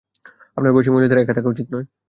আপনার বয়সী মহিলাদের একা থাকা উচিত নয়।